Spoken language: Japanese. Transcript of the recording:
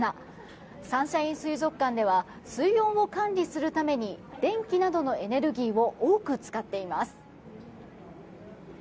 サンシャイン水族館では水温を管理するために電気などのエネルギーを多く使っています。